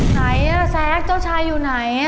ไหนอ่ะแซ็กเจ้าชายอยู่ไหน